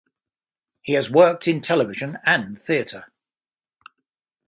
He has worked in television and theatre.